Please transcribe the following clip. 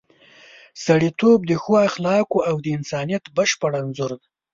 سړیتوب د ښو اخلاقو او د انسانیت بشپړ انځور دی.